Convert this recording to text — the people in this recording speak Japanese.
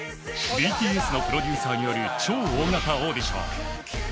ＢＴＳのプロデューサーによる超大型オーディション。